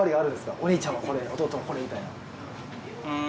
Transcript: お兄ちゃんはこれ弟はこれみたいな。